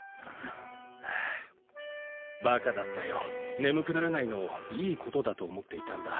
眠くならないのをいいことだと思っていたんだ。